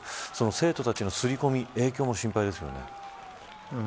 生徒たちへのすり込みや影響も心配ですね。